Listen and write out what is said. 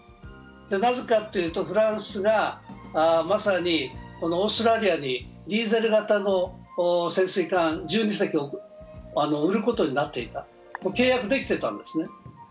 なぜかというとフランスがまさにオーストラリアにディーゼル型の潜水艦１２隻を売ることになっていた、契約できていたんですね。